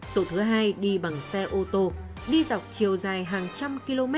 tổ thứ hai đi bằng xe ô tô đi dọc chiều dài hàng trăm km